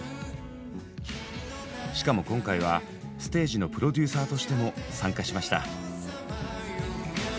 しかも今回はステージのプロデューサーとしても参加しました。